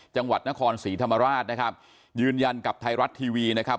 จังหวัดนครศรีธรรมราชนะครับยืนยันกับไทยรัฐทีวีนะครับ